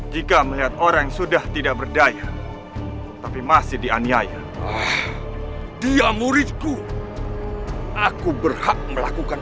jika melihat orang sudah tidak berdaya tapi masih dianiaya dia muridku aku berhak melakukan